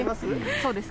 そうですね。